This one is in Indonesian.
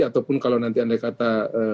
ataupun kalau nanti andai kata